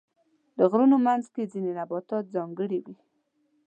د غرونو منځ کې ځینې نباتات ځانګړي وي.